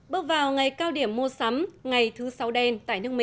bước vào ngày cao điểm mô sản